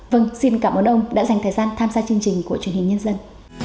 vâng xin cảm ơn ông đã dành thời gian tham gia chương trình của truyền hình nhân dân